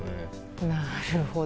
なるほど。